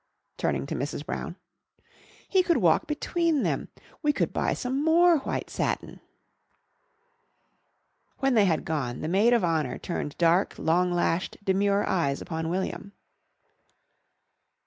turning to Mrs. Brown. "He could walk between them.... We could buy some more white satin...." When they had gone the maid of honour turned dark, long lashed, demure eyes upon William.